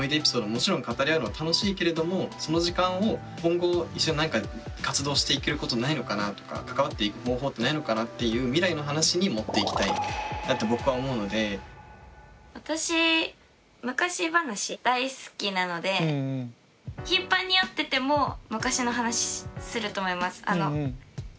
もちろん語り合うのは楽しいけれどもその時間を今後一緒に何か活動していけることないのかなとか関わっていく方法ってないのかなっていう私昔話大好きなので頻繁に会ってても昔の話すると思います。